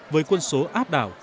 với quân số áp đảo